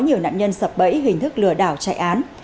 nhiều nạn nhân sập bẫy hình thức lừa đảo chạy án